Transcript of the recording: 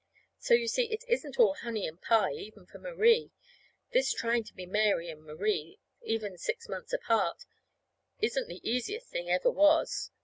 (So, you see, it isn't all honey and pie even for Marie. This trying to be Mary and Marie, even six months apart, isn't the easiest thing ever was!)